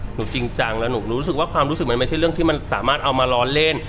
จริงจังแล้วหนูรู้สึกว่าความรู้สึกมันไม่ใช่เรื่องที่มันสามารถเอามาล้อเล่น